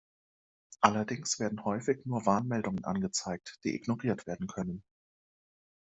Allerdings werden häufig nur Warnmeldungen angezeigt, die ignoriert werden können.